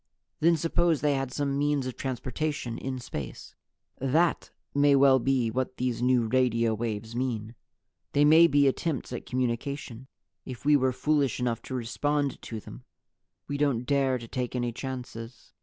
Then suppose they had some means of transportation in space. "That may well be what these new radio waves mean. They may be attempts at communication if we were foolish enough to respond to them. We don't dare to take any chances.